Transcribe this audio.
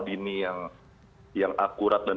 dini yang akurat dan